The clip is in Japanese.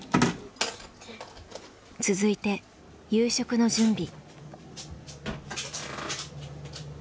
続いて夕食の準備。